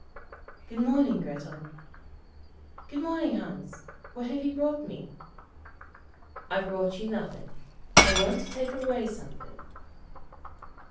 ] 'Good morning, Grettel.' 'Good morning, Hans. What have you brought me?' 'I've brought you nothing. I want to take away something.'